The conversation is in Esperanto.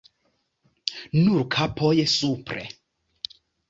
Nur kapoj supre.